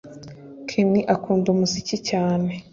Ken akunda umuziki cyane